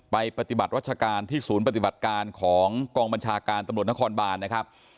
ไปปฏิบัติรัชการที่ศูนย์ปฏิบัติการของกองบัญชาการตำรวจนครบานนะครับ